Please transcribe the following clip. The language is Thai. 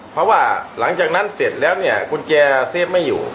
เพราะว่าหลังจากนั้นเสร็จแล้วเนี่ยกุญแจเซฟไม่อยู่